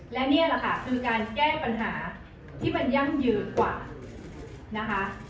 และนี่แหละค่ะคือการแก้ปัญหาที่มันยั่งยืนกว่านะคะ